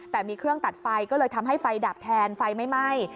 แต่มีเครื่องตัดไฟก็เลยทำให้ไฟดับแทนไฟไม่ไหม้